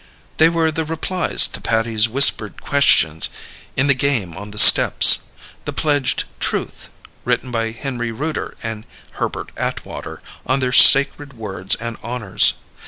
They were the replies to Patty's whispered questions in the game on the steps the pledged Truth, written by Henry Rooter and Herbert Atwater on their sacred words and honours.